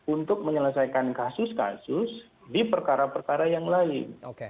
untuk menyelesaikan kasus kasus di perkara perkara yang lain